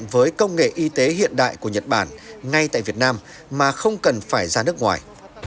với công nghệ y tế hiện đại của nhật bản ngay tại việt nam mà không cần phải ra nước ngoài